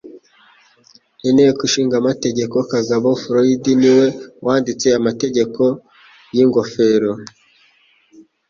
Inteko ishinga amategeko Kagabo Floyd niwe wanditse amategeko yingofero